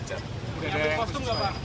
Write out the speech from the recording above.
nyiapin kostum gak pak